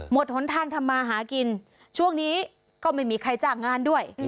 หนทางทำมาหากินช่วงนี้ก็ไม่มีใครจ้างงานด้วย